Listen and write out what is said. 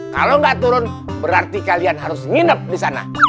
kalau nggak turun berarti kalian harus nginep di sana